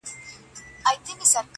کنه دی په پنیر کله اموخته وو.!